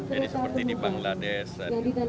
jadi seperti di bangladesh